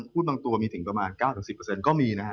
พูดบางตัวมีถึงประมาณ๙๑๐ก็มีนะครับ